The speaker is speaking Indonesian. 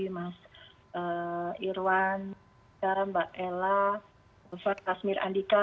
mas irwan sekarang mbak ella dr tasmir andika